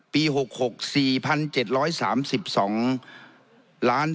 ปีหกหกสี่พันเจ็ดร้อยสามสิบสองหลาน